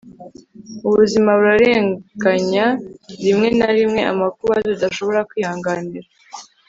ubuzima burarenganya; rimwe na rimwe amakuba tudashobora kwihanganira